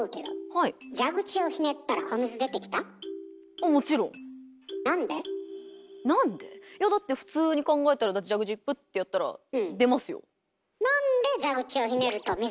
いやだって普通に考えたらだって蛇口プッてやったら出ますよ。